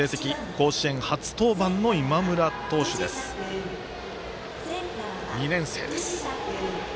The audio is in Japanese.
甲子園初登板の今村投手２年生です。